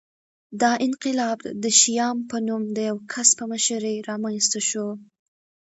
دا انقلاب د شیام په نوم د یوه کس په مشرۍ رامنځته شو